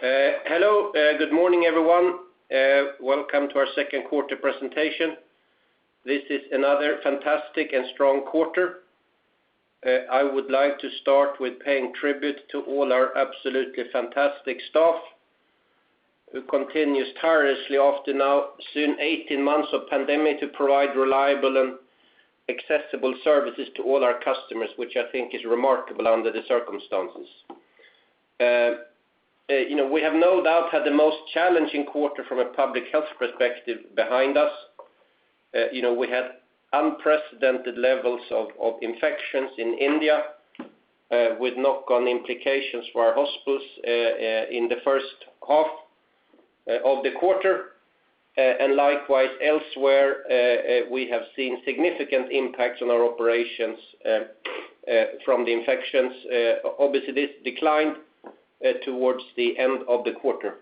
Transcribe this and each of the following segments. Hello. Good morning, everyone. Welcome to our second quarter presentation. This is another fantastic and strong quarter. I would like to start with paying tribute to all our absolutely fantastic staff who continues tirelessly after now soon 18 months of pandemic to provide reliable and accessible services to all our customers, which I think is remarkable under the circumstances. We have no doubt had the most challenging quarter from a public health perspective behind us. We had unprecedented levels of infections in India, with knock-on implications for our hospitals in the first half of the quarter. Likewise, elsewhere, we have seen significant impacts on our operations from the infections. Obviously, this declined towards the end of the quarter.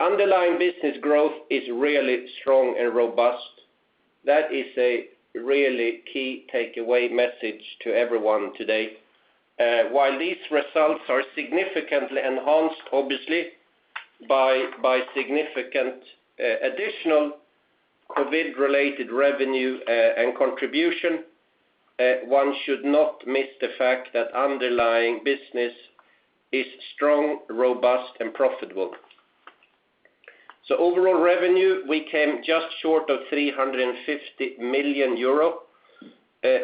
Underlying business growth is really strong and robust. That is a really key takeaway message to everyone today. While these results are significantly enhanced, obviously, by significant additional COVID-19-related revenue and contribution, one should not miss the fact that underlying business is strong, robust, and profitable. Overall revenue, we came just short of 350 million euro.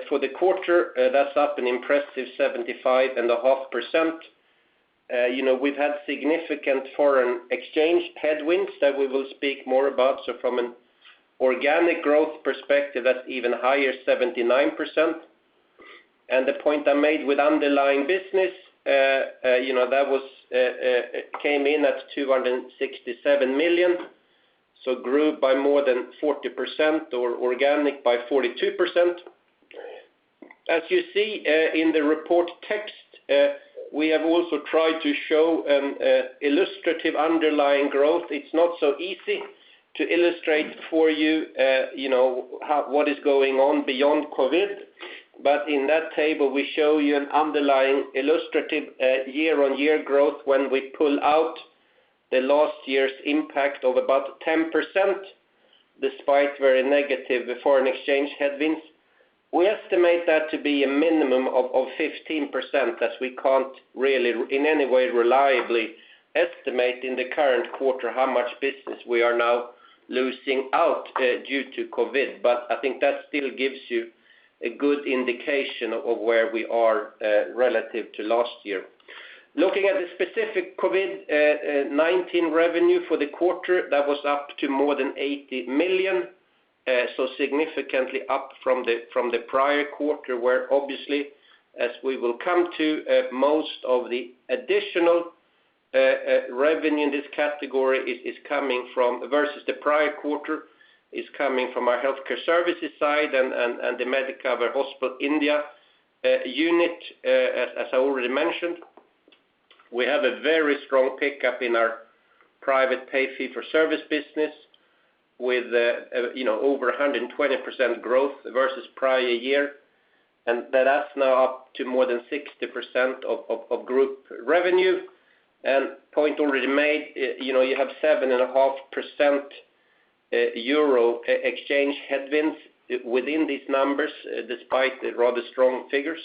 For the quarter, that's up an impressive 75.5%. We've had significant foreign exchange headwinds that we will speak more about. From an organic growth perspective, that's even higher, 79%. The point I made with underlying business, that came in at 267 million. Grew by more than 40% or organic by 42%. As you see in the report text, we have also tried to show an illustrative underlying growth. It's not so easy to illustrate for you what is going on beyond COVID-19. In that table, we show you an underlying illustrative year-on-year growth when we pull out the last year's impact of about 10%, despite very negative foreign exchange headwinds. We estimate that to be a minimum of 15% as we can't really, in any way, reliably estimate in the current quarter how much business we are now losing out due to COVID-19. I think that still gives you a good indication of where we are relative to last year. Looking at the specific COVID-19 revenue for the quarter, that was up to more than 80 million, significantly up from the prior quarter, where obviously, as we will come to, most of the additional revenue in this category versus the prior quarter is coming from our healthcare services side and the Medicover Hospitals India unit. As I already mentioned, we have a very strong pickup in our private pay fee-for-service business with over 120% growth versus prior year. That's now up to more than 60% of group revenue. Point already made, you have 7.5% euro exchange headwinds within these numbers, despite the rather strong figures.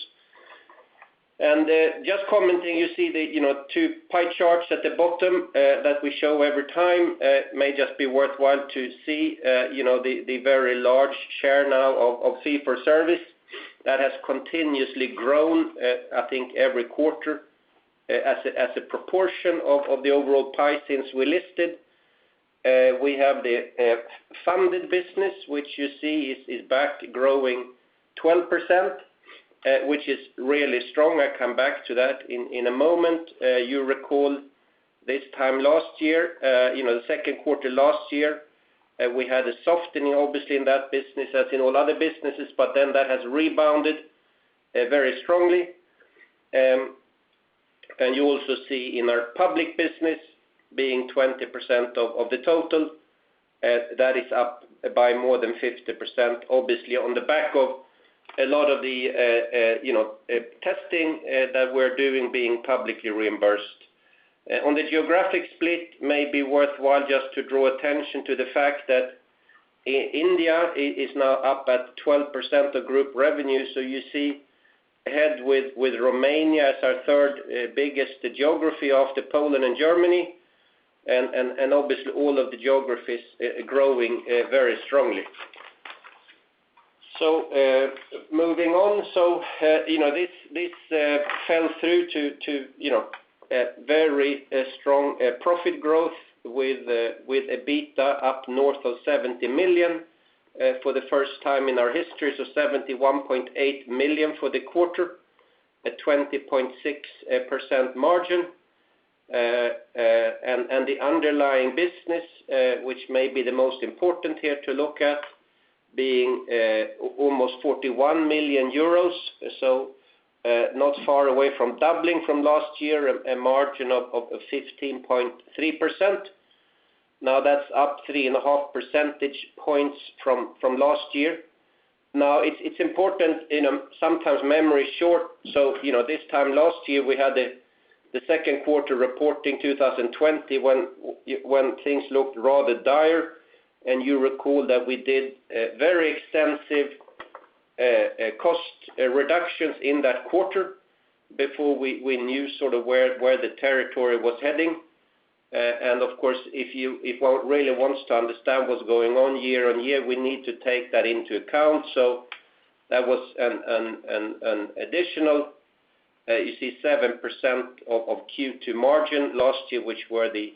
Just commenting, you see the two pie charts at the bottom that we show every time. May just be worthwhile to see the very large share now of fee-for-service that has continuously grown, I think every quarter as a proportion of the overall pie since we listed. We have the funded business, which you see is back growing 12%, which is really strong. I come back to that in a moment. You recall this time last year, the second quarter last year, we had a softening, obviously, in that business as in all other businesses, that has rebounded very strongly. You also see in our public business being 20% of the total, that is up by more than 50%, obviously on the back of a lot of the testing that we're doing being publicly reimbursed. On the geographic split, may be worthwhile just to draw attention to the fact that India is now up at 12% of group revenue. You see ahead with Romania as our third biggest geography after Poland and Germany, obviously all of the geographies growing very strongly. Moving on. This fell through to very strong profit growth with EBITDA up north of 70 million for the first time in our history, 71.8 million for the quarter at 20.6% margin. The underlying business, which may be the most important here to look at, being almost 41 million euros. Not far away from doubling from last year, a margin of 15.3%. That's up 3.5 percentage points from last year. It's important, sometimes memory is short, this time last year, we had the second quarter report in 2020 when things looked rather dire, and you recall that we did very extensive cost reductions in that quarter before we knew sort of where the territory was heading. Of course, if one really wants to understand what's going on year-on-year, we need to take that into account. That was an additional, you see 7% of Q2 margin last year, which were the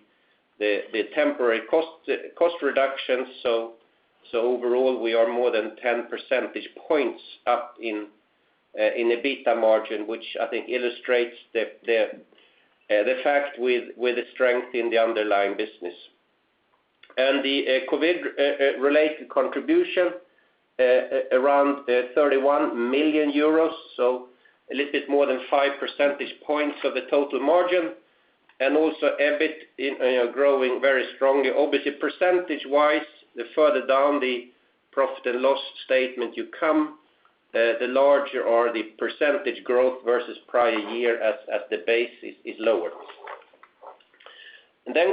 temporary cost reductions. Overall, we are more than 10 percentage points up in the EBITDA margin, which I think illustrates the fact with the strength in the underlying business. The COVID-related contribution, around 31 million euros, a little bit more than 5 percentage points of the total margin, and also EBIT growing very strongly. Obviously, percentage-wise, the further down the profit and loss statement you come, the larger are the percentage growth versus prior year as the base is lower.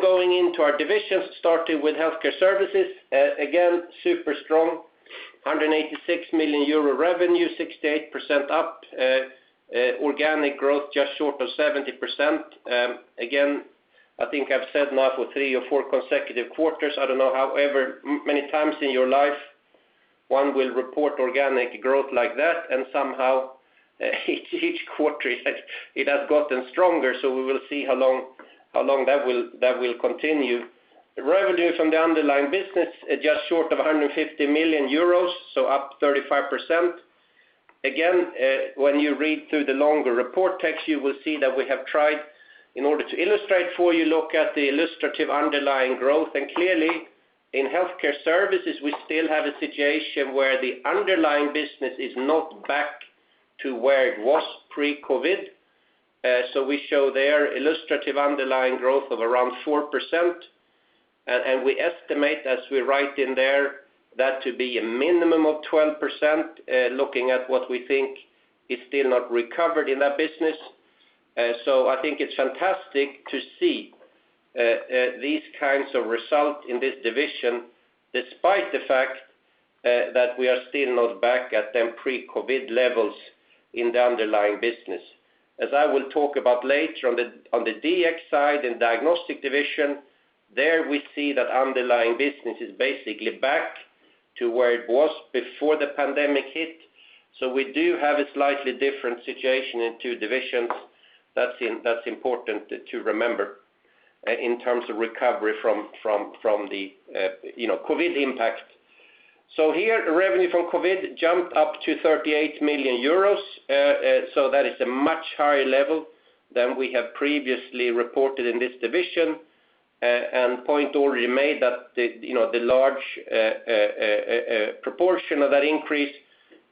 Going into our divisions, starting with healthcare services, again, super strong, 186 million euro revenue, 68% up, organic growth just short of 70%. Again, I think I've said now for three or four consecutive quarters, I don't know however many times in your life one will report organic growth like that, and somehow each quarter it has gotten stronger, so we will see how long that will continue. Revenue from the underlying business, just short of 150 million euros, up 35%. When you read through the longer report text, you will see that we have tried, in order to illustrate for you, look at the illustrative underlying growth. Clearly in healthcare services, we still have a situation where the underlying business is not back to where it was pre-COVID. We show there illustrative underlying growth of around 4%, and we estimate, as we write in there, that to be a minimum of 12%, looking at what we think is still not recovered in that business. I think it's fantastic to see these kinds of results in this division, despite the fact that we are still not back at them pre-COVID levels in the underlying business. As I will talk about later on the DX side, in diagnostic division, there we see that underlying business is basically back to where it was before the pandemic hit. We do have a slightly different situation in two divisions. That's important to remember in terms of recovery from the COVID impact. Here, revenue from COVID jumped up to 38 million euros. That is a much higher level than we have previously reported in this division. Point already made that the large proportion of that increase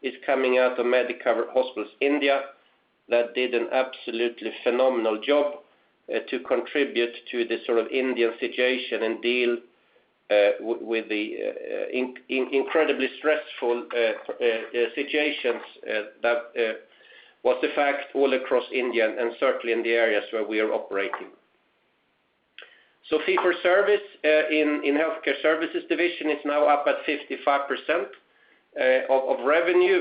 is coming out of Medicover Hospitals India, that did an absolutely phenomenal job to contribute to the sort of Indian situation and deal with the incredibly stressful situations that was the fact all across India and certainly in the areas where we are operating. Fee-for-service in healthcare services division is now up at 55% of revenue.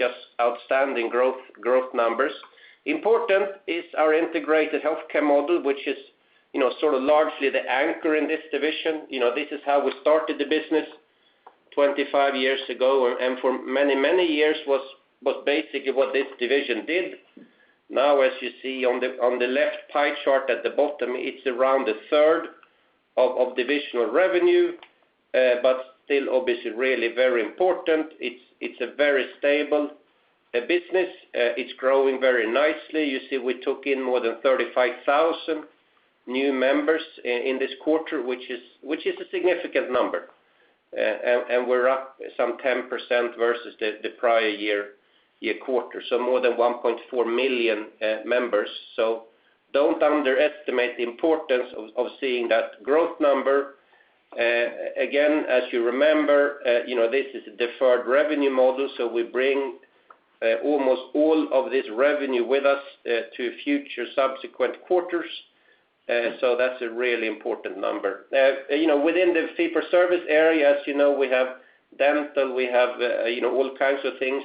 Just outstanding growth numbers. Important is our integrated healthcare model, which is sort of largely the anchor in this division. This is how we started the business 25 years ago, and for many years was basically what this division did. As you see on the left pie chart at the bottom, it's around a third of divisional revenue, but still obviously really very important. It's a very stable business. It's growing very nicely. You see we took in more than 35,000 new members in this quarter, which is a significant number. We're up some 10% versus the prior year quarter, so more than 1.4 million members. Don't underestimate the importance of seeing that growth number. As you remember, this is a deferred revenue model, so we bring almost all of this revenue with us to future subsequent quarters. That's a really important number. Within the fee-for-service area, as you know, we have dental, we have all kinds of things.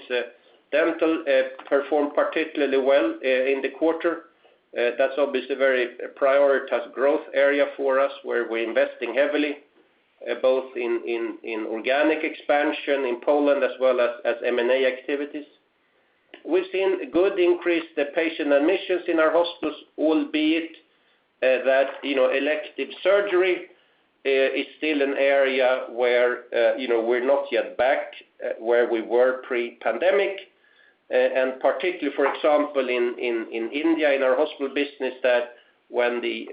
Dental performed particularly well in the quarter. That's obviously a very prioritized growth area for us, where we're investing heavily, both in organic expansion in Poland as well as M&A activities. We've seen a good increase the patient admissions in our hospitals, albeit that elective surgery is still an area where we're not yet back where we were pre-pandemic. Particularly, for example, in India in our hospital business, that when the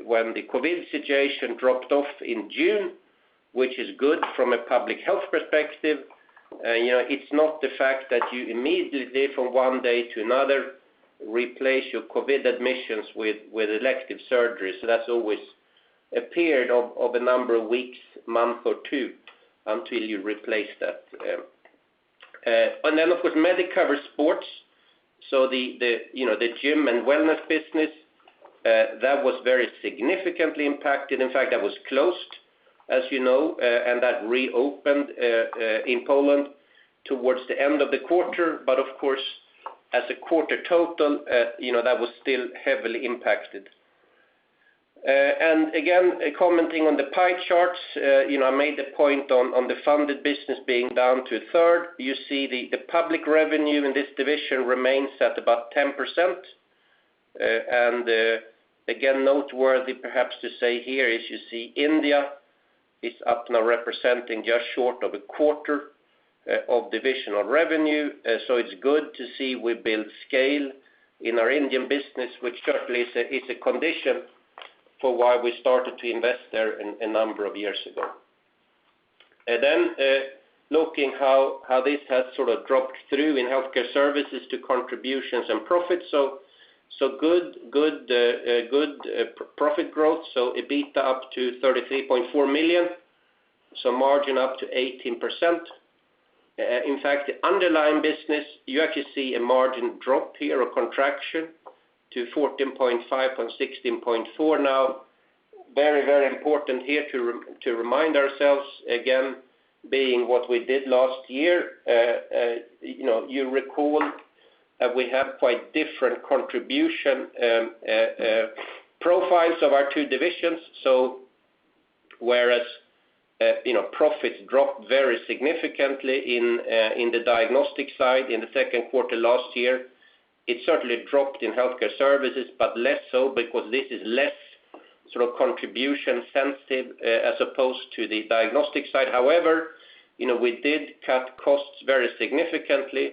COVID-19 situation dropped off in June. Which is good from a public health perspective. It's not the fact that you immediately from one day to another replace your COVID-19 admissions with elective surgeries. That's always a period of a number of weeks, month, or two until you replace that. Then, of course, Medicover Sport. The gym and wellness business, that was very significantly impacted. In fact, that was closed, as you know, and that reopened in Poland towards the end of the quarter. Of course, as a quarter total, that was still heavily impacted. Again, commenting on the pie charts, I made the point on the funded business being down to a third. You see the public revenue in this division remains at about 10%. Again, noteworthy perhaps to say here is you see India is up now representing just short of a quarter of divisional revenue. It's good to see we build scale in our Indian business, which certainly is a condition for why we started to invest there a number of years ago. Looking how this has sort of dropped through in healthcare services to contributions and profits. Good profit growth. EBITDA up to 33.4 million, margin up to 18%. In fact, the underlying business, you actually see a margin drop here, a contraction to 14.5% and 16.4% now. Very important here to remind ourselves, again, being what we did last year, you recall that we have quite different contribution profiles of our two divisions. Whereas profits dropped very significantly in the diagnostic side in the second quarter last year, it certainly dropped in healthcare services, but less so because this is less contribution sensitive as opposed to the diagnostic side. However, we did cut costs very significantly.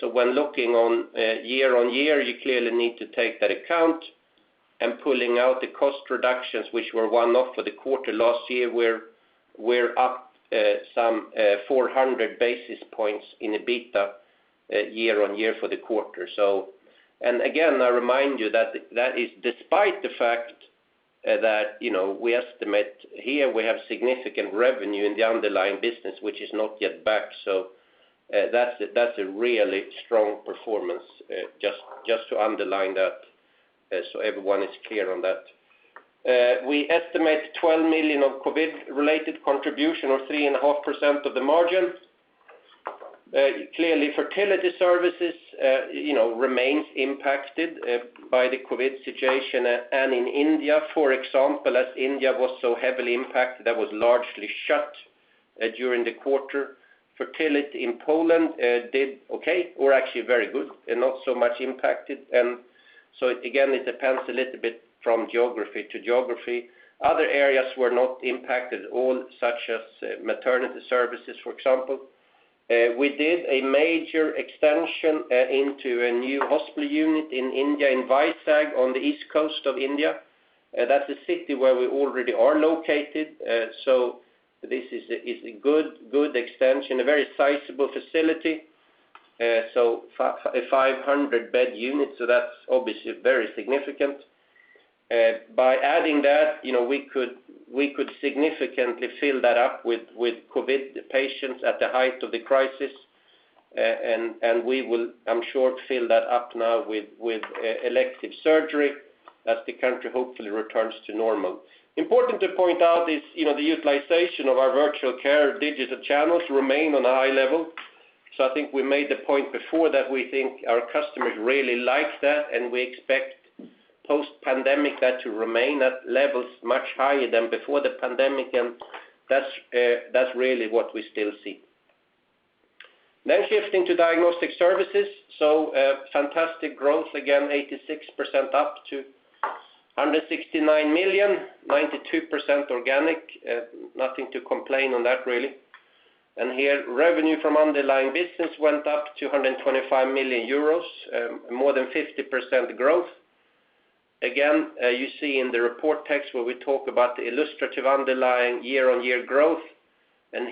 When looking on year-on-year, you clearly need to take that account and pulling out the cost reductions, which were one-off for the quarter last year, we're up some 400 basis points in EBITDA year-on-year for the quarter. Again, I remind you that is despite the fact that we estimate here we have significant revenue in the underlying business, which is not yet back. That is a really strong performance, just to underline that so everyone is clear on that. We estimate 12 million of COVID-19 related contribution or 3.5% of the margin. Clearly, fertility services remains impacted by the COVID-19 situation. In India, for example, as India was so heavily impacted, that was largely shut during the quarter. Fertility in Poland did okay, or actually very good and not so much impacted. Again, it depends a little bit from geography to geography. Other areas were not impacted at all, such as maternity services, for example. We did a major extension into a new hospital unit in India, in Vizag on the East Coast of India. That is a city where we already are located. This is a good extension, a very sizable facility. A 500-bed unit, that is obviously very significant. By adding that, we could significantly fill that up with COVID-19 patients at the height of the crisis. We will, I am sure, fill that up now with elective surgery as the country hopefully returns to normal. Important to point out is the utilization of our virtual care digital channels remain on a high level. I think we made the point before that we think our customers really like that, and we expect post-pandemic that to remain at levels much higher than before the pandemic. That is really what we still see. Shifting to diagnostic services. Fantastic growth, again, 86% up to 169 million, 92% organic. Nothing to complain on that really. Here, revenue from underlying business went up to 125 million euros, more than 50% growth. Again, you see in the report text where we talk about the illustrative underlying year-on-year growth.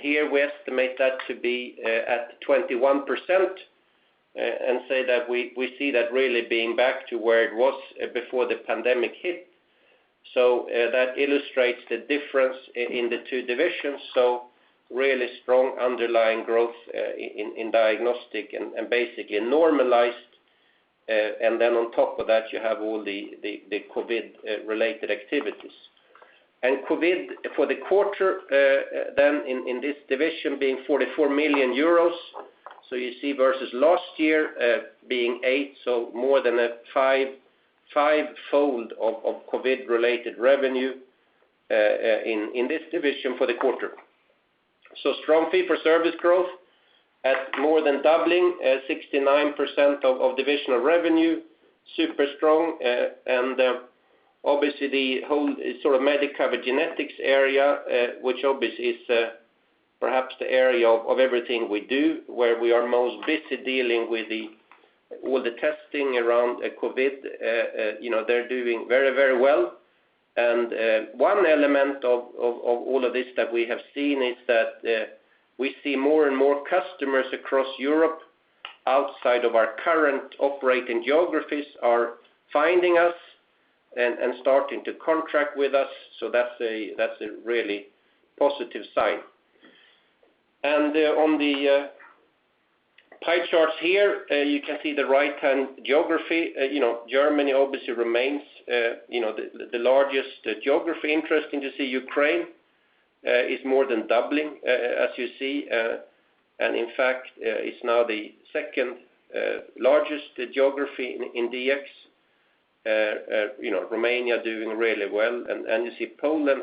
Here we estimate that to be at 21%, and say that we see that really being back to where it was before the pandemic hit. That illustrates the difference in the two divisions. Really strong underlying growth in diagnostic and basically normalized. Then on top of that, you have all the COVID related activities. COVID for the quarter then in this division being 44 million euros. You see versus last year being 8 million, more than a fivefold of COVID related revenue in this division for the quarter. Strong fee-for-service growth at more than doubling at 69% of divisional revenue, super strong. Obviously the whole Medicover Genetics area, which obviously is perhaps the area of everything we do, where we are most busy dealing with the testing around COVID. They're doing very well. One element of all of this that we have seen is that we see more and more customers across Europe, outside of our current operating geographies, are finding us and starting to contract with us. That's a really positive sign. On the pie charts here, you can see the right-hand geography. Germany obviously remains the largest geography. Interesting to see Ukraine is more than doubling, as you see, and in fact, is now the second largest geography in DX. Romania doing really well. You see Poland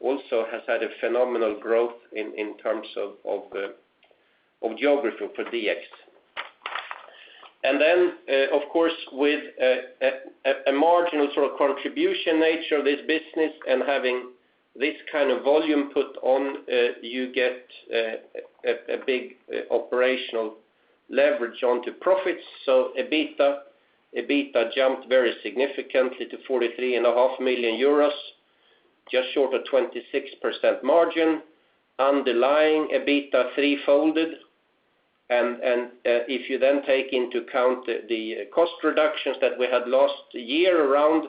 also has had a phenomenal growth in terms of geography for DX. Of course, with a marginal contribution nature of this business and having this kind of volume put on, you get a big operational leverage onto profits. EBITDA jumped very significantly to 43.5 million euros, just short of 26% margin. Underlying EBITDA 3-folded. If you take into account the cost reductions that we had last year around,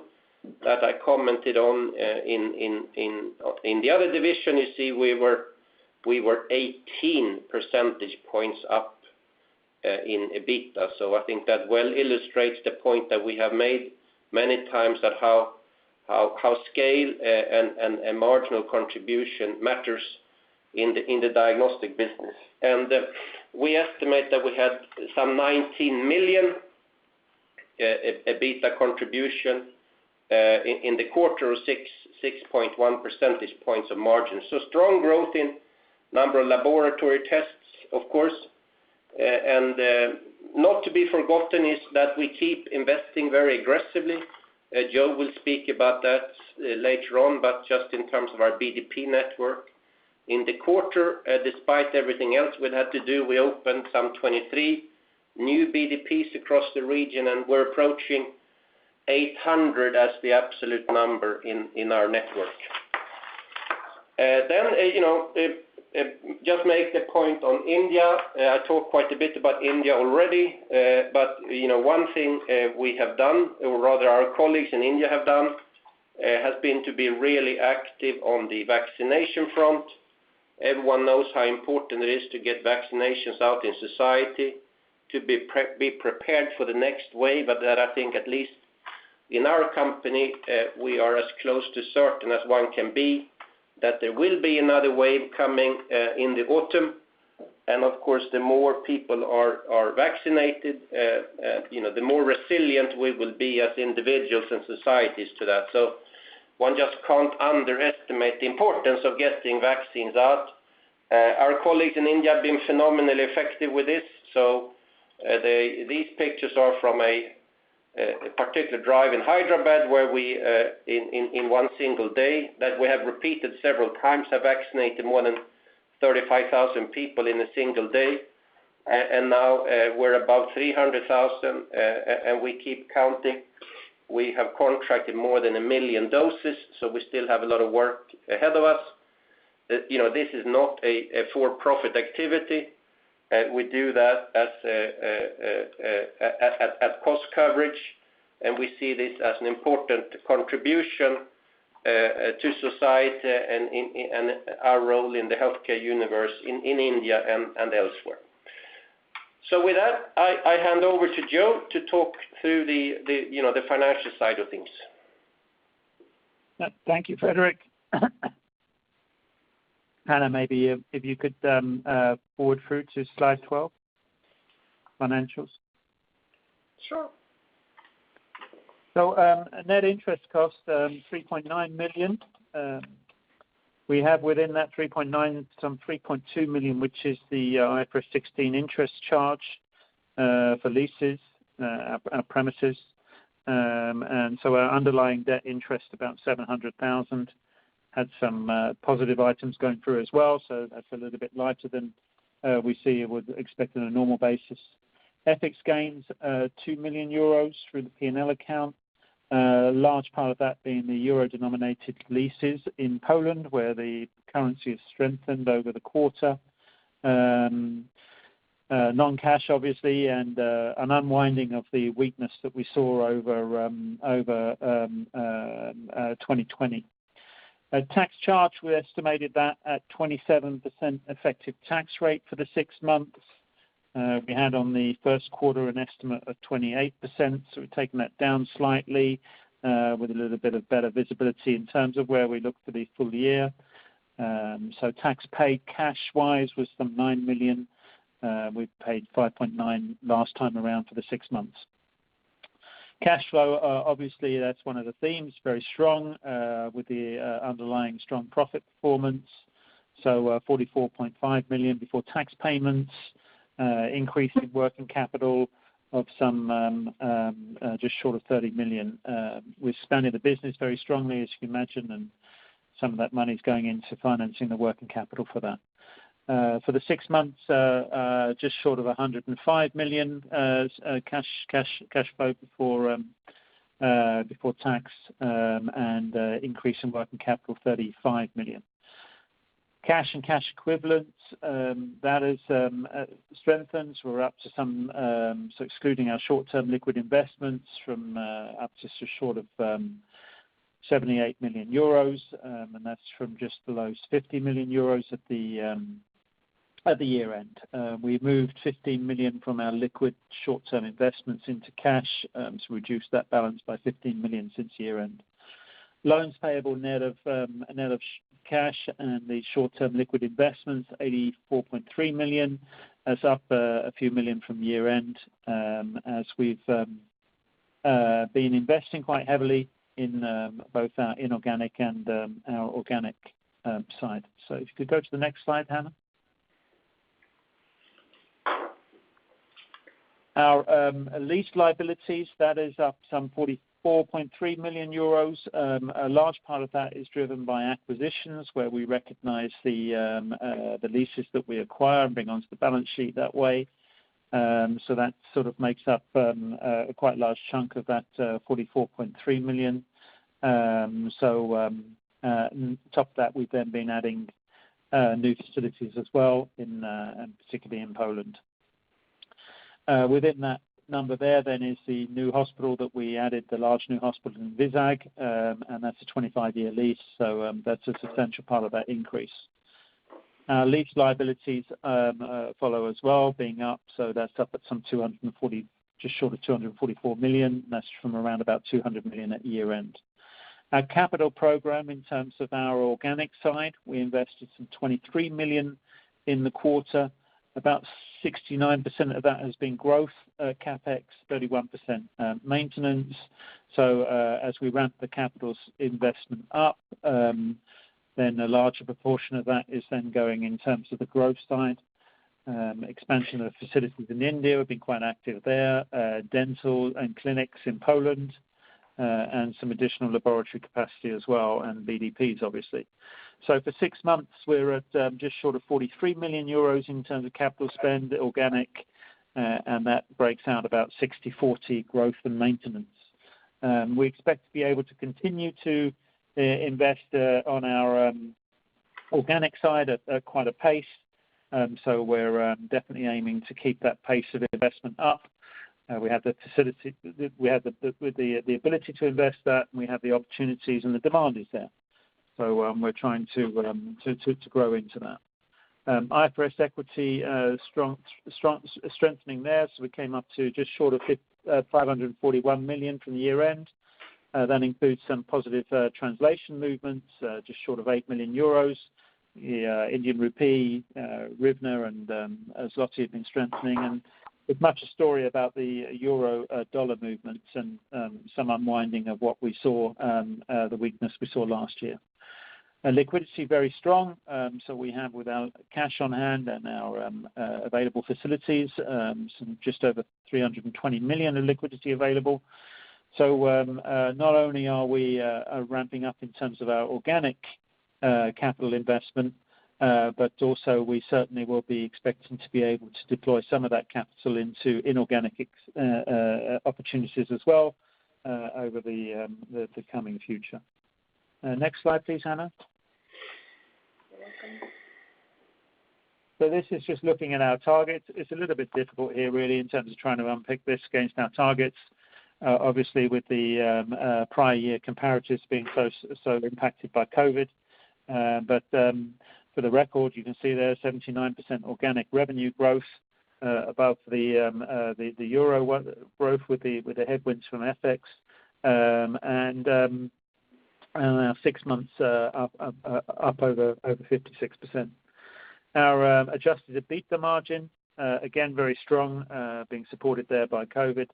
that I commented on in the other division, you see we were 18 percentage points up in EBITDA. I think that well illustrates the point that we have made many times that how scale and marginal contribution matters in the diagnostic business. We estimate that we had some 19 million EBITDA contribution in the quarter of 6.1 percentage points of margin. Strong growth in number of laboratory tests, of course. Not to be forgotten is that we keep investing very aggressively. Joe will speak about that later on, but just in terms of our BDP network. In the quarter, despite everything else we had to do, we opened some 23 new BDPs across the region, and we're approaching 800 as the absolute number in our network. Just make the point on India. I talked quite a bit about India already. One thing we have done, or rather our colleagues in India have done, has been to be really active on the vaccination front. Everyone knows how important it is to get vaccinations out in society to be prepared for the next wave, but that I think at least in our company, we are as close to certain as one can be that there will be another wave coming in the autumn. Of course, the more people are vaccinated, the more resilient we will be as individuals and societies to that. One just can't underestimate the importance of getting vaccines out. Our colleagues in India have been phenomenally effective with this. These pictures are from a particular drive in Hyderabad, where we in one single day, that we have repeated several times, have vaccinated more than 35,000 people in a single day. Now we're above 300,000 and we keep counting. We have contracted more than 1 million doses. We still have a lot of work ahead of us. This is not a for-profit activity. We do that as cost coverage. We see this as an important contribution to society and our role in the healthcare universe in India and elsewhere. With that, I hand over to Joe to talk through the financial side of things. Thank you, Fredrik. Hanna, maybe if you could forward through to slide 12, financials. Sure. Net interest cost, 3.9 million. We have within that 3.9, some 3.2 million, which is the IFRS 16 interest charge for leases, our premises. Our underlying debt interest, about 700,000. Had some positive items going through as well, that's a little bit lighter than we see or would expect on a normal basis. FX gains, 2 million euros through the P&L account. A large part of that being the euro-denominated leases in Poland where the currency has strengthened over the quarter. Non-cash, obviously, an unwinding of the weakness that we saw over 2020. Tax charge, we estimated that at 27% effective tax rate for the six months. We had on the first quarter an estimate of 28%, we've taken that down slightly with a little bit of better visibility in terms of where we look for the full-year. Tax paid cash-wise was some 9 million. We paid 5.9 million last time around for the six months. Cash flow, obviously that's one of the themes, very strong with the underlying strong profit performance. 44.5 million before tax payments. Increase in working capital of some just short of 30 million. We're spanning the business very strongly, as you can imagine, and some of that money's going into financing the working capital for that. For the six months, just short of 105 million cash flow before tax, and increase in working capital 35 million. Cash and cash equivalents, that has strengthened. Excluding our short-term liquid investments from up just to short of 78 million euros, and that's from just below 50 million euros at the year-end. We moved 15 million from our liquid short-term investments into cash to reduce that balance by 15 million since year-end. Loans payable net of cash and the short-term liquid investments, 84.3 million. That's up a few million from year-end as we've been investing quite heavily in both our inorganic and our organic side. If you could go to the next slide, Hanna. Our lease liabilities, that is up some 44.3 million euros. A large part of that is driven by acquisitions where we recognize the leases that we acquire and bring onto the balance sheet that way. That sort of makes up a quite large chunk of that 44.3 million. On top of that, we've then been adding new facilities as well, and particularly in Poland. Within that number there then is the new hospital that we added, the large new hospital in Vizag, and that's a 25-year lease, so that's a substantial part of that increase. Our lease liabilities follow as well, being up, so that's up at some just short of 244 million. That's from around about 200 million at year-end. Our capital program in terms of our organic side, we invested some 23 million in the quarter. About 69% of that has been growth CapEx, 31% maintenance. As we ramp the capital's investment up, then a larger proportion of that is then going in terms of the growth side. Expansion of facilities in India, we've been quite active there. Dental and clinics in Poland, and some additional laboratory capacity as well, and BDPs, obviously. For six months, we're at just short of 43 million euros in terms of capital spend organic, and that breaks out about 60/40 growth and maintenance. We expect to be able to continue to invest on our organic side at quite a pace. We're definitely aiming to keep that pace of investment up. We have the ability to invest that, and we have the opportunities and the demand is there. We're trying to grow into that. IFRS equity, strengthening there. We came up to just short of 541 million from the year-end. That includes some positive translation movements, just short of 8 million euros. Indian rupee, hryvnia, and zloty have been strengthening. As much a story about the euro dollar movements and some unwinding of what we saw, the weakness we saw last year. Liquidity very strong. We have with our cash on hand and our available facilities, some just over 320 million of liquidity available. Not only are we ramping up in terms of our organic capital investment, but also we certainly will be expecting to be able to deploy some of that capital into inorganic opportunities as well over the coming future. Next slide, please, Hanna. This is just looking at our targets. It's a little bit difficult here really in terms of trying to unpick this against our targets, obviously with the prior year comparatives being so impacted by COVID. For the record, you can see there 79% organic revenue growth above the euro growth with the headwinds from FX. Our six months up over 56%. Our adjusted EBITDA margin, again, very strong, being supported there by COVID,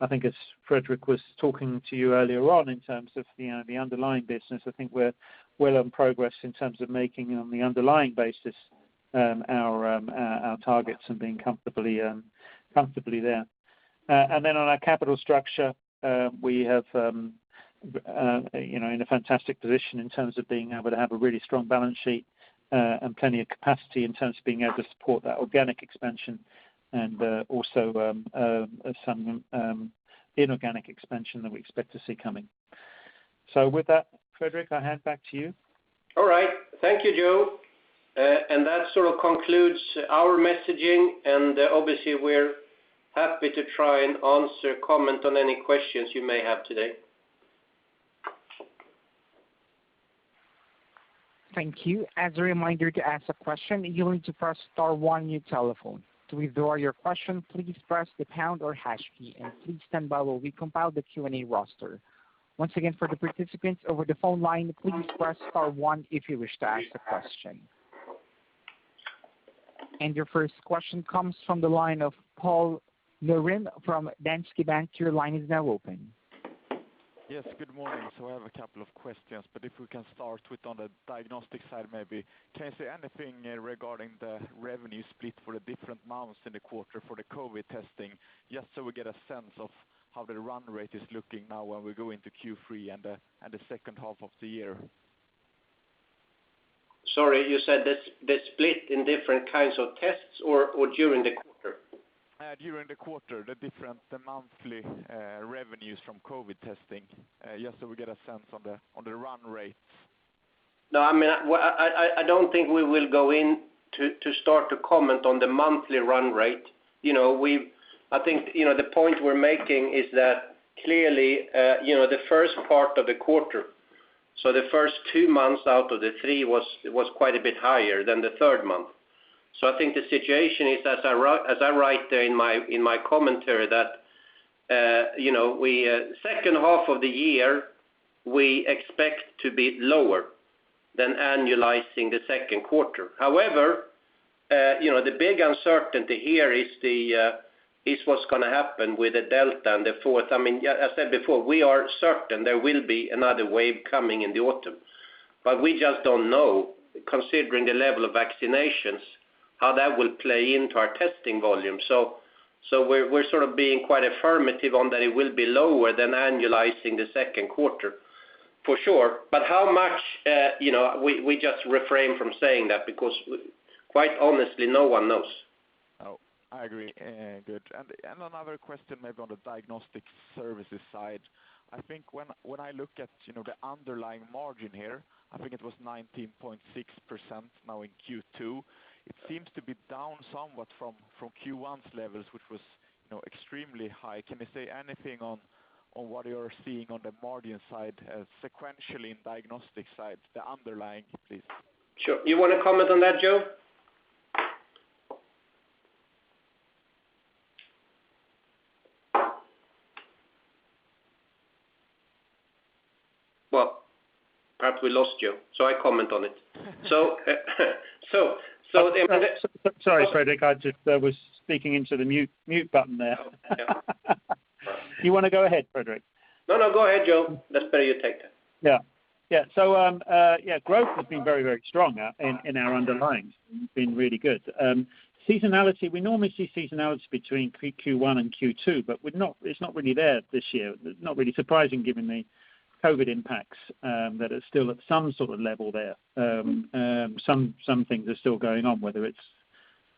I think as Fredrik was talking to you earlier on in terms of the underlying business, I think we're well on progress in terms of making it on the underlying basis our targets and being comfortably there. Then on our capital structure, we have in a fantastic position in terms of being able to have a really strong balance sheet and plenty of capacity in terms of being able to support that organic expansion and also some inorganic expansion that we expect to see coming. With that, Fredrik, I hand back to you. All right. Thank you, Joe. That sort of concludes our messaging, and obviously we're happy to try and answer comment on any questions you may have today. Thank you. As a reminder to ask a question, you'll need to press star one on your telephone. To withdraw your question, please press the pound or hash key. Please stand by while we compile the Q&A roster. Once again, for the participants over the phone line, please press star one if you wish to ask a question. Your first question comes from the line of Karl Norén from Danske Bank. Your line is now open. Yes, good morning. I have a couple of questions, but if we can start with on the diagnostic side, maybe. Can you say anything regarding the revenue split for the different months in the quarter for the COVID testing? Just so we get a sense of how the run rate is looking now when we go into Q3 and the second half of the year. Sorry, you said the split in different kinds of tests or during the quarter? During the quarter, the monthly revenues from COVID testing, just so we get a sense on the run rates. I don't think we will go in to start to comment on the monthly run rate. I think the point we're making is that clearly, the first part of the quarter, so the first two months out of the three was quite a bit higher than the third month. I think the situation is, as I write there in my commentary that, the second half of the year, we expect to be lower than annualizing the second quarter. The big uncertainty here is what's going to happen with the Delta and the fourth. I mean, as I said before, we are certain there will be another wave coming in the autumn. We just don't know, considering the level of vaccinations, how that will play into our testing volume. We're sort of being quite affirmative on that it will be lower than annualizing the second quarter, for sure. How much? We just refrain from saying that because quite honestly, no one knows. Oh, I agree. Good. Another question maybe on the diagnostic services side. I think when I look at the underlying margin here, I think it was 19.6% now in Q2. It seems to be down somewhat from Q1's levels, which was extremely high. Can you say anything on what you're seeing on the margin side, sequentially in diagnostic side, the underlying, please? Sure. You want to comment on that, Joe? Well, perhaps we lost Joe, so I comment on it. Sorry, Fredrik, I just was speaking into the mute button there. You want to go ahead, Fredrik? No, go ahead, Joe. Let's pay you take that. Growth has been very strong in our underlying. It's been really good. Seasonality, we normally see seasonality between Q1 and Q2, but it's not really there this year. Not really surprising given the COVID impacts, that it's still at some sort of level there. Some things are still going on, whether it's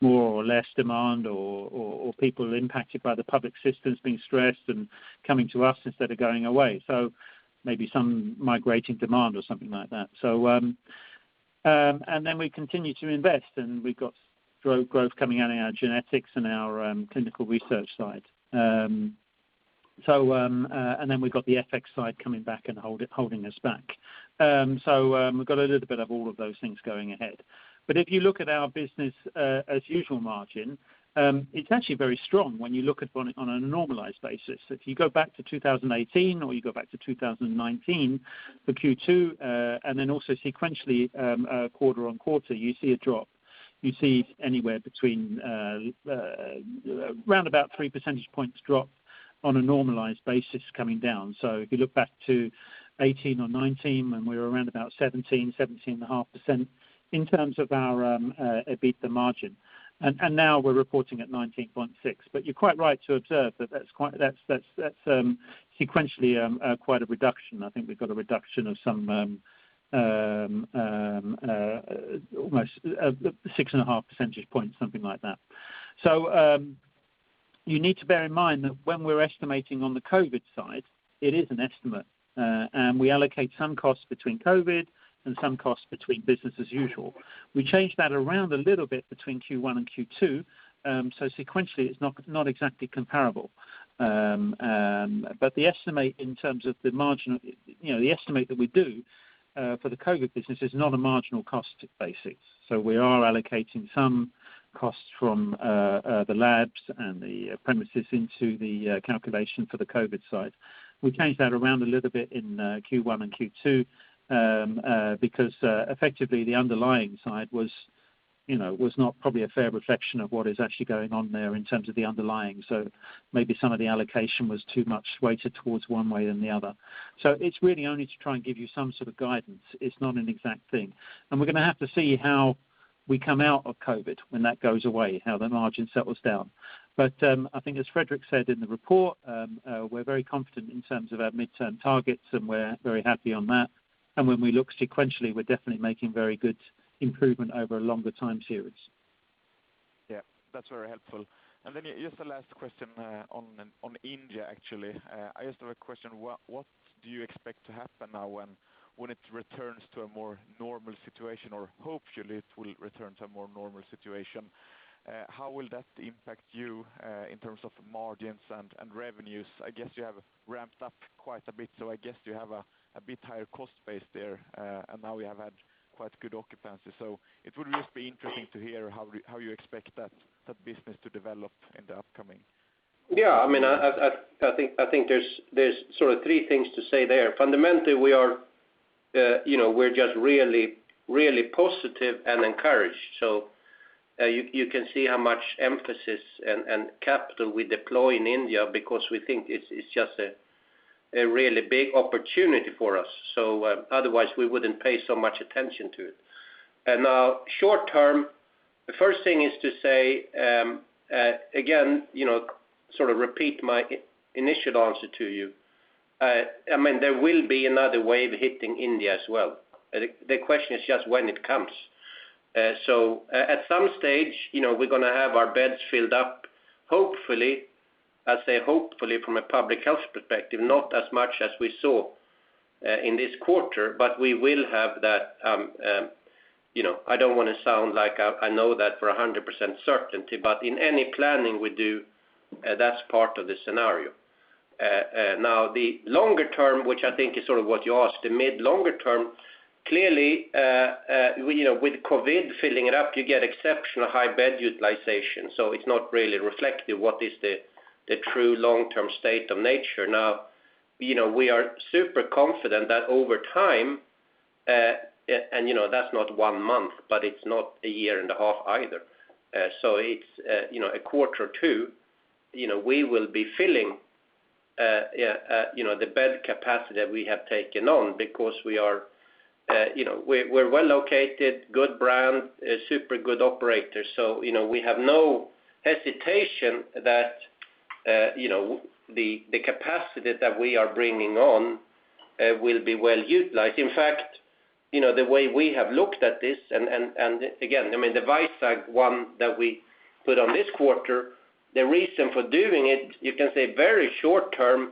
more or less demand or people impacted by the public systems being stressed and coming to us instead of going away. Maybe some migrating demand or something like that. We continue to invest, and we've got growth coming out of our genetics and our clinical research side. We've got the FX side coming back and holding us back. We've got a little bit of all of those things going ahead. If you look at our business as usual margin, it's actually very strong when you look at it on a normalized basis. If you go back to 2018 or you go back to 2019 for Q2, and then also sequentially quarter-on-quarter, you see a drop. You see anywhere between around 3 percentage points drop on a normalized basis coming down. If you look back to 2018 or 2019, and we were around 17%-17.5% in terms of our EBITDA margin. Now we're reporting at 19.6%. You're quite right to observe that that's sequentially quite a reduction. I think we've got a reduction of almost 6.5 percentage points, something like that. You need to bear in mind that when we're estimating on the COVID-19 side, it is an estimate. We allocate some costs between COVID and some costs between business as usual. We changed that around a little bit between Q1 and Q2, so sequentially it's not exactly comparable. The estimate in terms of the margin, the estimate that we do for the COVID business is not a marginal cost basis. We are allocating some costs from the labs and the premises into the calculation for the COVID side. We changed that around a little bit in Q1 and Q2, because effectively the underlying side was not probably a fair reflection of what is actually going on there in terms of the underlying. Maybe some of the allocation was too much weighted towards one way than the other. It's really only to try and give you some sort of guidance. It's not an exact thing. We're going to have to see how we come out of COVID when that goes away, how the margin settles down. I think as Fredrik said in the report, we're very confident in terms of our midterm targets, and we're very happy on that. When we look sequentially, we're definitely making very good improvement over a longer time series. Yeah. That's very helpful. Then just the last question on India, actually. I just have a question, what do you expect to happen now when it returns to a more normal situation? Or hopefully it will return to a more normal situation. How will that impact you in terms of margins and revenues? I guess you have ramped up quite a bit. I guess you have a bit higher cost base there. Now we have had quite good occupancy. It would just be interesting to hear how you expect that business to develop in the upcoming. Yeah, I think there's sort of three things to say there. Fundamentally, We're just really positive and encouraged. You can see how much emphasis and capital we deploy in India because we think it's just a really big opportunity for us, so otherwise we wouldn't pay so much attention to it. Now short term, the first thing is to say, again, sort of repeat my initial answer to you. There will be another wave hitting India as well. The question is just when it comes. At some stage, we're going to have our beds filled up, hopefully, I say hopefully from a public health perspective, not as much as we saw in this quarter, but we will have that. I don't want to sound like I know that for 100% certainty, but in any planning we do, that's part of the scenario. The longer term, which I think is sort of what you asked, the mid longer term, clearly with COVID filling it up, you get exceptional high bed utilization. It is not really reflective what is the true long-term state of nature. We are super confident that over time, and that is not one month, but it is not a year and a half either. It is a quarter or two, we will be filling the bed capacity we have taken on because we are well located, good brand, super good operator. We have no hesitation that the capacity that we are bringing on will be well utilized. In fact, the way we have looked at this, and again, the Vizag one that we put on this quarter, the reason for doing it, you can say very short term,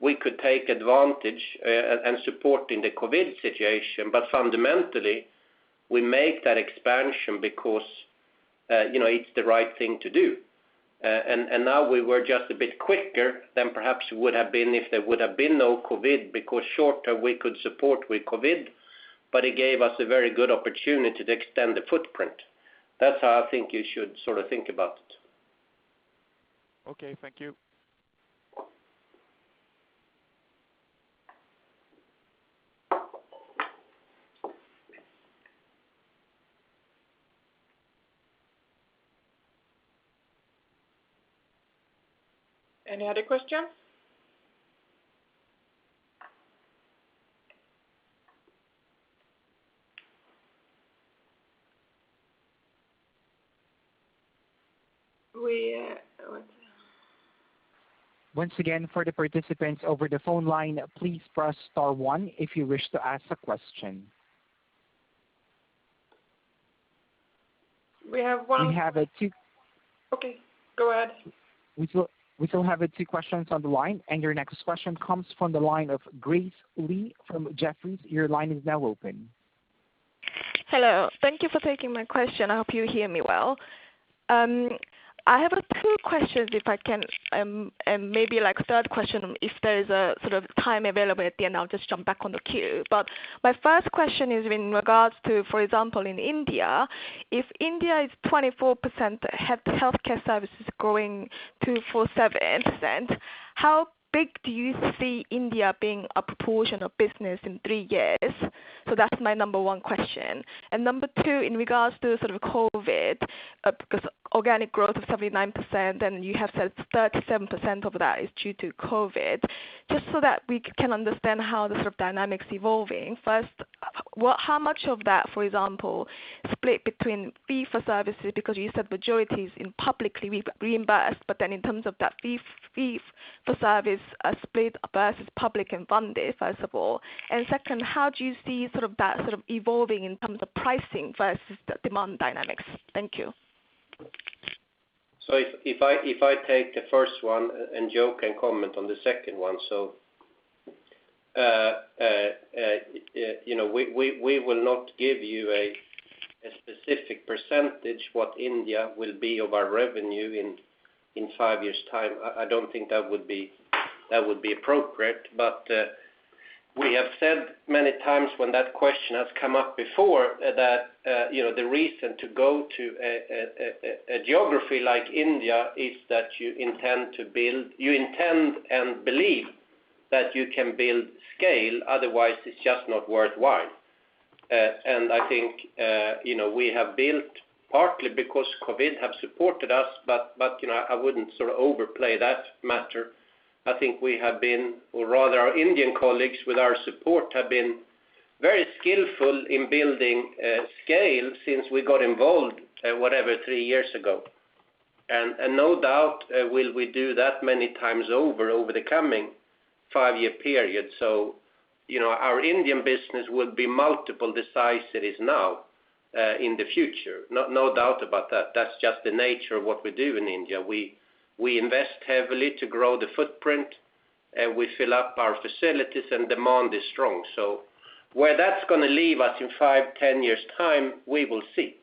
we could take advantage and support in the COVID situation, but fundamentally, we make that expansion because it's the right thing to do. Now we were just a bit quicker than perhaps we would have been if there would have been no COVID, because shorter we could support with COVID, but it gave us a very good opportunity to extend the footprint. That's how I think you should think about it. Okay. Thank you. Any other questions? What? Once again, for the participants over the phone line, please press star one if you wish to ask a question. We have. We have two. Okay, go ahead. We still have two questions on the line. Your next question comes from the line of Grace Lee from Jefferies. Your line is now open. Hello. Thank you for taking my question. I hope you hear me well. I have two questions if I can, maybe a third question if there is time available at the end, I'll just jump back on the queue. My first question is in regards to, for example, in India. If India is 24% healthcare services growing to 47%, how big do you see India being a proportion of business in three years? That's my number one question. Number two, in regards to COVID, because organic growth of 79% and you have said 37% of that is due to COVID. Just so that we can understand how the dynamics are evolving. First, how much of that, for example, split between fee-for-service, because you said majority is in publicly reimbursed, but then in terms of that fee-for-service split versus public and funded, first of all. Second, how do you see that evolving in terms of pricing versus the demand dynamics? Thank you. If I take the first one, and Joe can comment on the second one. We will not give you a specific percentage what India will be of our revenue in five years' time. I don't think that would be appropriate. We have said many times when that question has come up before that the reason to go to a geography like India is that you intend and believe that you can build scale, otherwise it's just not worthwhile. I think we have built partly because COVID have supported us, but I wouldn't overplay that matter. I think we have been, or rather our Indian colleagues with our support, have been very skillful in building scale since we got involved, whatever, three years ago. No doubt will we do that many times over the coming five-year period. Our Indian business will be multiple the size it is now in the future. No doubt about that. That's just the nature of what we do in India. We invest heavily to grow the footprint, we fill up our facilities, and demand is strong. Where that's going to leave us in five, ten years' time, we will see.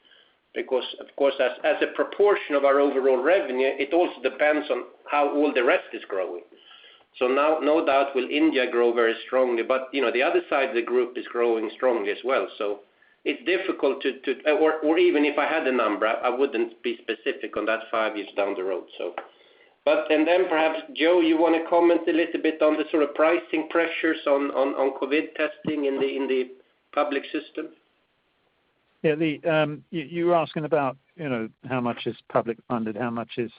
Because, of course, as a proportion of our overall revenue, it also depends on how all the rest is growing. No doubt will India grow very strongly, but the other side of the group is growing strongly as well. Even if I had the number, I wouldn't be specific on that five years down the road. Perhaps, Joe, you want to comment a little bit on the sort of pricing pressures on COVID testing in the public system? You were asking about how much is public funded, how much is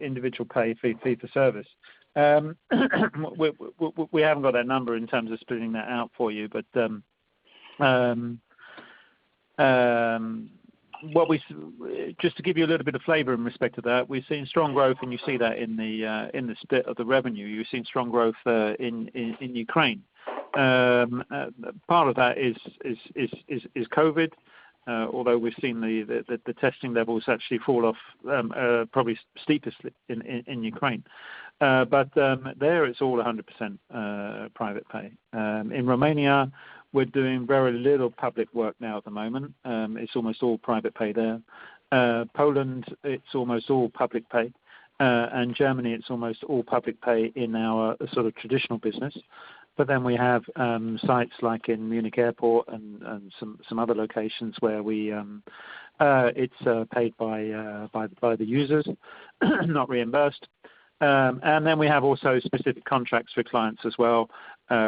individual pay fee for service. We haven't got that number in terms of splitting that out for you. Just to give you a little bit of flavor in respect to that, we've seen strong growth, and you see that in the split of the revenue. You've seen strong growth in Ukraine. Part of that is COVID. Although we've seen the testing levels actually fall off probably steepest in Ukraine. There it's all 100% private pay. In Romania, we're doing very little public work now at the moment. It's almost all private pay there. Poland, it's almost all public pay. Germany, it's almost all public pay in our traditional business. We have sites like in Munich Airport and some other locations where it's paid by the users, not reimbursed. We have also specific contracts for clients as well,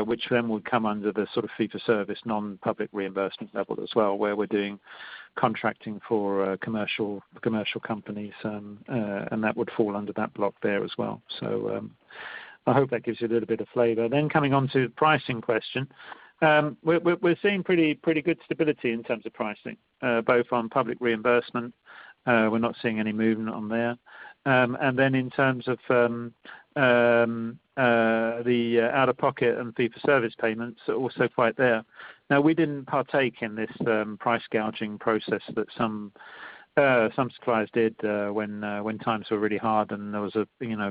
which then would come under the fee-for-service, non-public reimbursement level as well, where we're doing contracting for commercial companies. That would fall under that block there as well. I hope that gives you a little bit of flavor. Coming on to the pricing question. We're seeing pretty good stability in terms of pricing, both on public reimbursement. We're not seeing any movement on there. In terms of the out-of-pocket and fee-for-service payments, also quite there. We didn't partake in this price gouging process that some suppliers did when times were really hard and there was a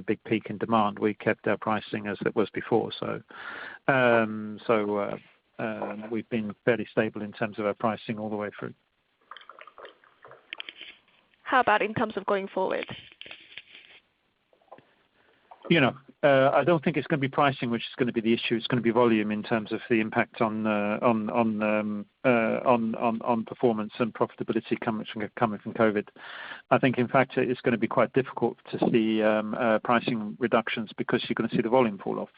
big peak in demand. We kept our pricing as it was before. We've been fairly stable in terms of our pricing all the way through. How about in terms of going forward? I don't think it's going to be pricing which is going to be the issue. It's going to be volume in terms of the impact on performance and profitability coming from COVID-19. I think in fact, it is going to be quite difficult to see pricing reductions because you're going to see the volume fall off.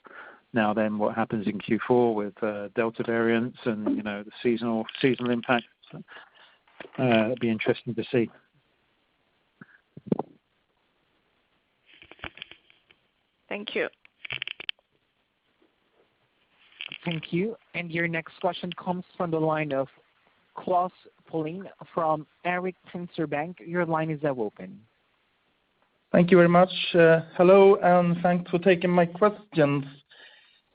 What happens in Q4 with Delta variant and the seasonal impacts? It'll be interesting to see. Thank you. Thank you. Your next question comes from the line of Klas Palin from Erik Penser Bank. Your line is open. Thank you very much. Hello, and thanks for taking my questions.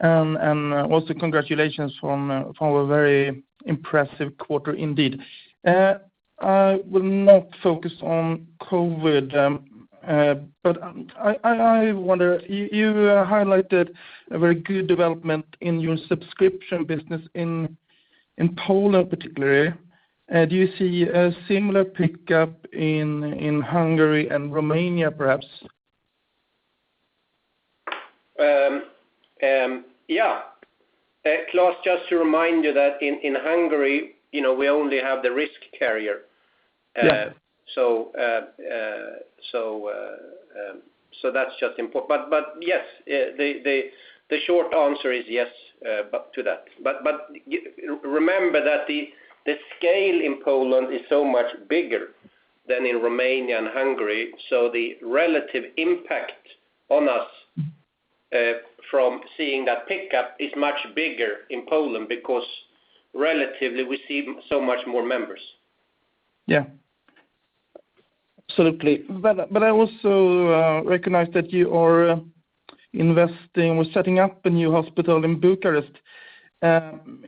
Also congratulations for a very impressive quarter indeed. I will not focus on COVID. I wonder, you highlighted a very good development in your subscription business in Poland particularly. Do you see a similar pickup in Hungary and Romania, perhaps? Yeah. Klas, just to remind you that in Hungary, we only have the risk carrier. Yeah. That's just important. Yes, the short answer is yes to that. Remember that the scale in Poland is so much bigger than in Romania and Hungary. The relative impact on us from seeing that pickup is much bigger in Poland because relatively we see so much more members. Yeah. Absolutely. I also recognize that you are investing or setting up a new hospital in Bucharest.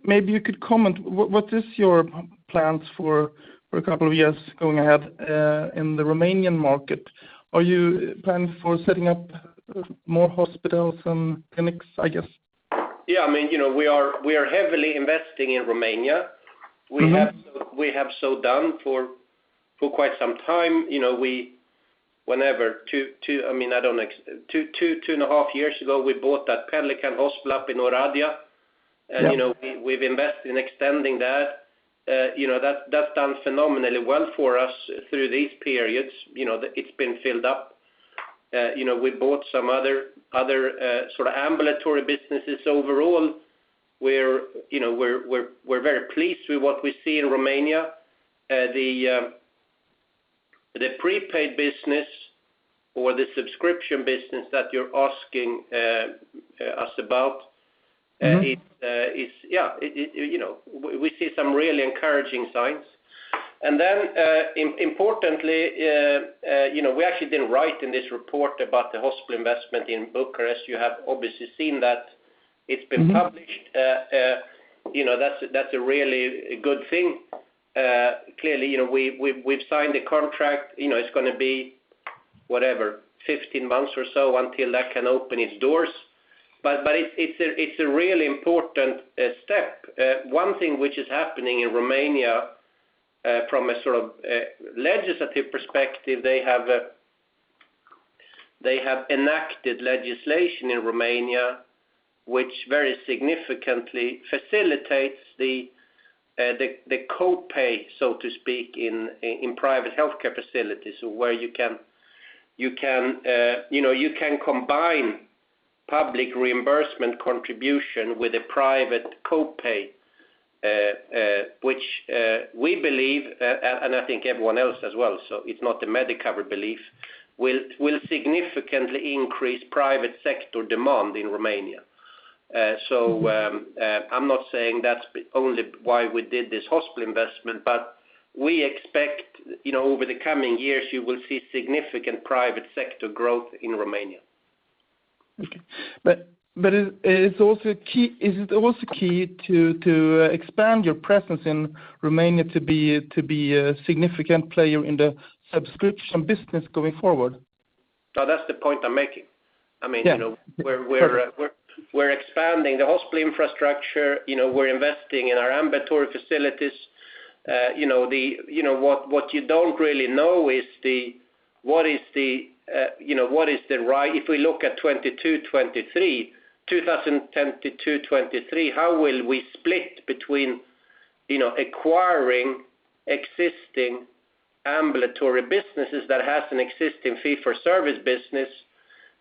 Maybe you could comment, what is your plans for a couple of years going ahead in the Romanian market? Are you planning for setting up more hospitals and clinics, I guess? Yeah, we are heavily investing in Romania. We have done for quite some time. Two and a half years ago, we bought that Pelican Hospital up in Oradea. Yeah. We've invested in extending that. That's done phenomenally well for us through these periods. It's been filled up. We bought some other sort of ambulatory businesses. Overall, we're very pleased with what we see in Romania. The prepaid business or the subscription business that you're asking us about. We see some really encouraging signs. Importantly, we actually didn't write in this report about the hospital investment in Bucharest. You have obviously seen that it's been published. That's a really good thing. Clearly, we've signed a contract. It's going to be, whatever, 15 months or so until that can open its doors. It's a really important step. One thing which is happening in Romania, from a sort of legislative perspective, They have enacted legislation in Romania which very significantly facilitates the co-pay, so to speak, in private healthcare facilities where you can combine public reimbursement contribution with a private co-pay, which we believe, and I think everyone else as well, so it's not the Medicover belief, will significantly increase private sector demand in Romania. I'm not saying that's only why we did this hospital investment, but we expect over the coming years you will see significant private sector growth in Romania. Okay. Is it also key to expand your presence in Romania to be a significant player in the subscription business going forward? No, that's the point I'm making. Yeah. We're expanding the hospital infrastructure, we're investing in our ambulatory facilities. What you don't really know is, if we look at 2022, 2023, how will we split between acquiring existing ambulatory businesses that has an existing fee-for-service business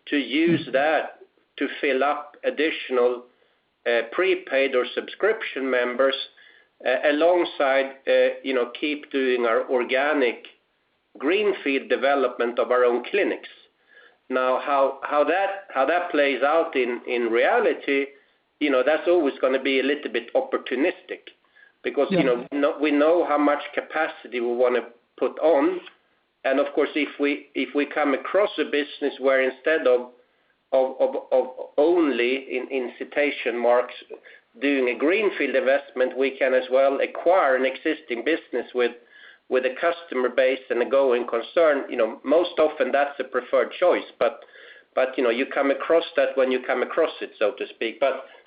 to use that to fill up additional prepaid or subscription members alongside keep doing our organic greenfield development of our own clinics. How that plays out in reality, that's always going to be a little bit opportunistic. Yeah. We know how much capacity we want to put on. Of course, if we come across a business where instead of only, in citation marks, doing a greenfield investment, we can as well acquire an existing business with a customer base and a going concern. Most often that's the preferred choice. You come across that when you come across it, so to speak.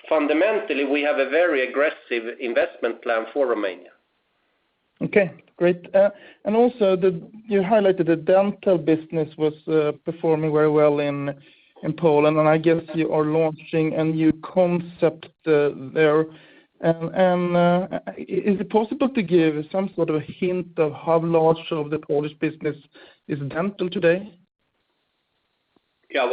Fundamentally, we have a very aggressive investment plan for Romania. Okay, great. Also you highlighted the dental business was performing very well in Poland and I guess you are launching a new concept there. Is it possible to give some sort of hint of how large of the Polish business is dental today? As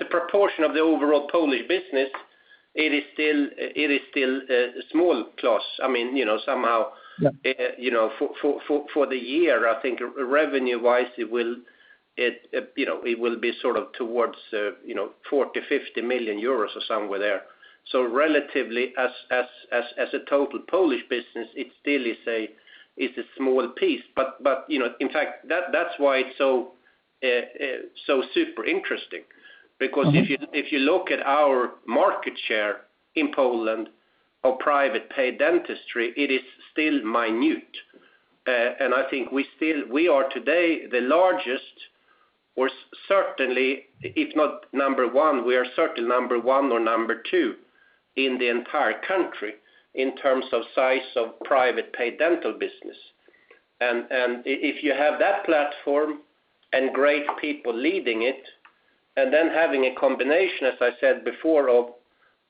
a proportion of the overall Polish business it is still a small clause. Somehow for the year I think revenue-wise it will be towards 40 million-50 million euros or somewhere there. Relatively as a total Polish business it still is a small piece. In fact that's why it's so super interesting because if you look at our market share in Poland of private paid dentistry it is still minute. I think we are today the largest or certainly if not number 1, we are certainly number one or number two in the entire country in terms of size of private paid dental business. If you have that platform and great people leading it and then having a combination as I said before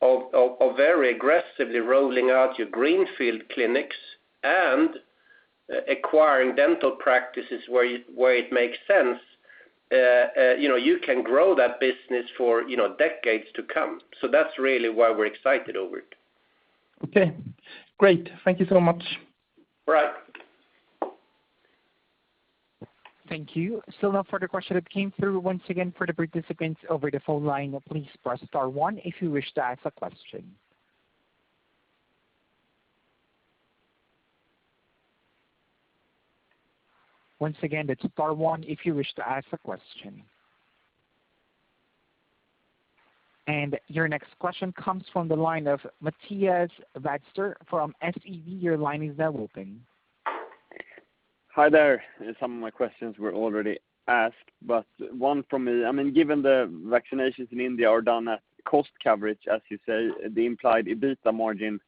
of very aggressively rolling out your greenfield clinics and acquiring dental practices where it makes sense, you can grow that business for decades to come. That's really why we're excited over it. Okay, great. Thank you so much. All right. Thank you. Still no further question that came through. Once again for the participants over the phone line, please press star one if you wish to ask a question. Your next question comes from the line of Mattias Vadsten from SEB. Your line is now open. Hi there. Some of my questions were already asked. One from me. Given the vaccinations in India are done at cost coverage as you say, the implied EBITDA margin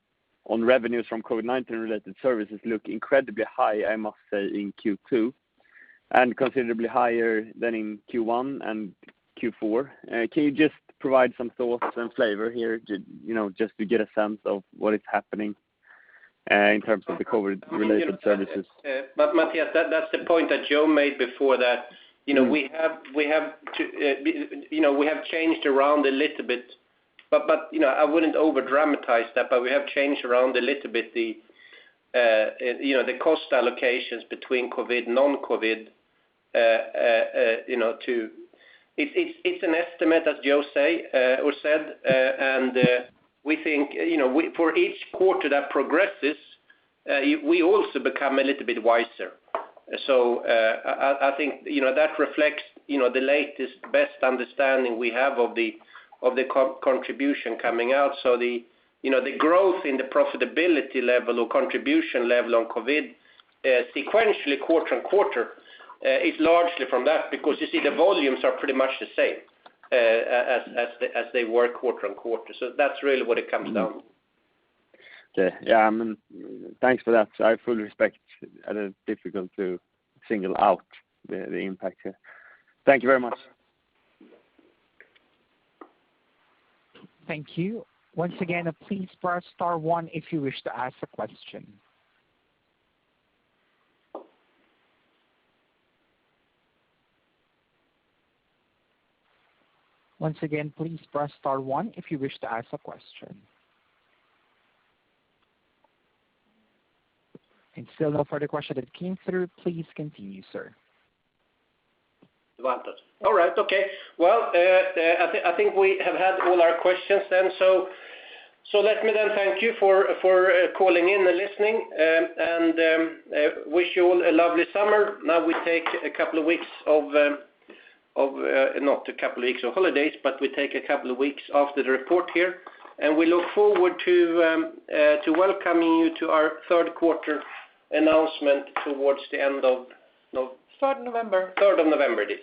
on revenues from COVID-19 related services look incredibly high I must say in Q2 and considerably higher than in Q1 and Q4. Can you just provide some thoughts and flavor here just to get a sense of what is happening in terms of the COVID related services? Mattias, that's the point that Joe made before that we have changed around a little bit. I wouldn't overdramatize that, but we have changed around a little bit the cost allocations between COVID, non-COVID. It's an estimate as Joe said, and we think for each quarter that progresses we also become a little bit wiser. I think that reflects the latest best understanding we have of the contribution coming out. The growth in the profitability level or contribution level on COVID sequentially quarter-on-quarter is largely from that because you see the volumes are pretty much the same as they were quarter-on-quarter. That's really what it comes down to. Okay. Yeah, thanks for that. I fully respect and it's difficult to single out the impact here. Thank you very much. Thank you. Once again, please press star one if you wish to ask a question. Once again, please press star one if you wish to ask a question. Still no further question that came through. Please continue sir. All right. Okay. I think we have had all our questions. Let me thank you for calling in and listening and wish you all a lovely summer. We take a couple of weeks, not a couple of weeks of holidays. We take a couple of weeks after the report here. We look forward to welcoming you to our third quarter announcement. 3rd of November. 3rd of November it is.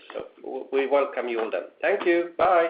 We welcome you all then. Thank you. Bye.